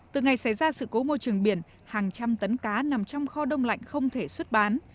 từ ngày xảy ra sự cố môi trường biển hàng trăm tấn cá nằm trong kho đông lạnh không thể xuất bán